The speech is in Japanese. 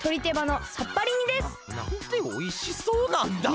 なんておいしそうなんだ！